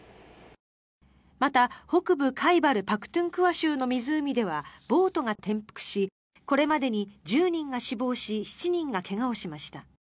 また、北部カイバル・パクトゥンクワ州の湖ではボートが転覆しこれまでに１０人が死亡し７人が怪我をしました。